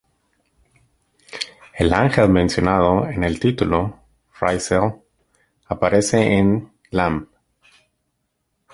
En ángel mencionado en el título, Raziel, aparece en "Lamb".